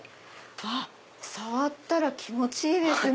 触ったら気持ちいいですね